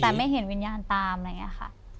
แต่ไม่เห็นวิญญาณตามอะไรอย่างนี้ค่ะ